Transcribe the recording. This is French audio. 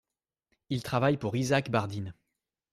Il travaille pour Isaac Bardin.